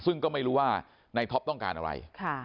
ซึ่งก็ไม่รู้ว่าในท็อปต้องการอะไร